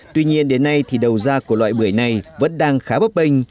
tuy nhiên đến nay thì đầu ra của loại bưởi này vẫn đang khá bấp bênh